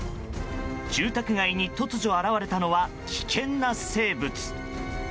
住宅街に突如現れたのは危険な生物。